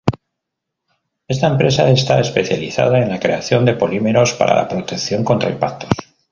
Esta empresa está especializada en la creación de polímeros para la protección contra impactos.